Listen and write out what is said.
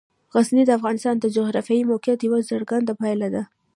غزني د افغانستان د جغرافیایي موقیعت یوه څرګنده پایله ده.